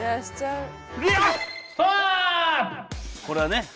これはね？